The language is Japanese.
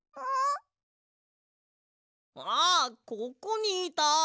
あここにいた！